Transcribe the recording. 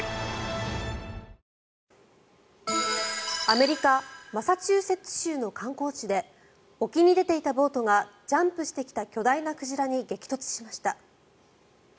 アメリカ・マサチューセッツ州の観光地で沖に出ていたボートがジャンプしてきた巨大な鯨に激突しました。